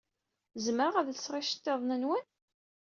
Zemreɣ ad lseɣ iceḍḍiḍen-nwen?